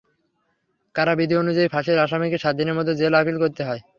কারা বিধি অনুযায়ী ফাঁসির আসামিকে সাত দিনের মধ্যে জেল আপিল করতে হয়।